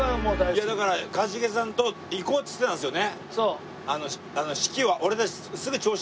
いやだから一茂さんと行こうって言ってたんですよね。